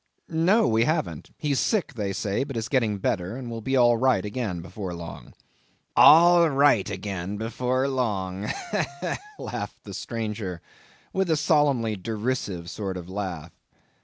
"No, we hav'n't. He's sick they say, but is getting better, and will be all right again before long." "All right again before long!" laughed the stranger, with a solemnly derisive sort of laugh.